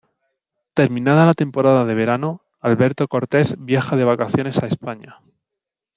Terminada la temporada de verano, Alberto Cortez viaja de vacaciones a España.